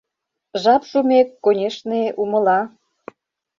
Жап шумек, конешне, умыла...